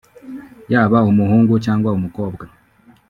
yaba umuhungu cyangwa umukobwa